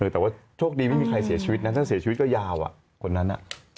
แต่ว่าโชคดีไม่มีใครเสียชีวิตนะถ้าเสียชีวิตก็ยาวคนนั้น